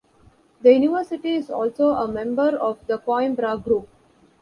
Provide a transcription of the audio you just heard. The university is also a member of the Coimbra Group.